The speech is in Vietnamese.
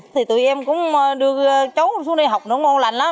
thì tụi em cũng đưa cháu xuống đây học nó ngon lành lắm